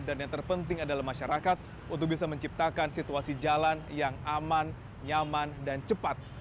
dan yang terpenting adalah masyarakat untuk bisa menciptakan situasi jalan yang aman nyaman dan cepat